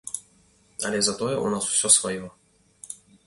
Але затое ў нас усё сваё.